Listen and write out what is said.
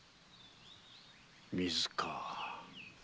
水か。